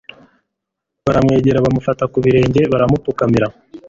Baramwegera bamufata ku birenge baramupfukamira.